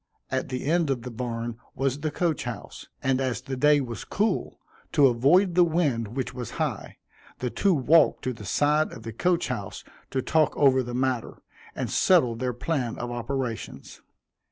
At the end of the barn was the coach house, and as the day was cool, to avoid the wind which was high, the two walked to the side of the coach house to talk over the matter, and settle their plan of operations.